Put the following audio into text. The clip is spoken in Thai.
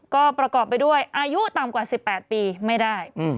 ก็ประกอบไปด้วยอายุต่ำกว่า๑๘ปีไม่ได้